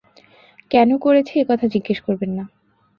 কেন করেছি, একথা জিজ্ঞেস করবেন না।